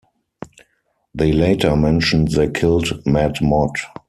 They later mentioned they killed Mad Mod.